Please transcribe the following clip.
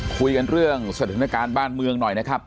คุยกันเรื่องสถานการณ์บ้านเมืองหน่อยนะครับ